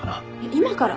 今から？